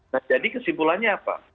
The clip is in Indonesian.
nah jadi kesimpulannya apa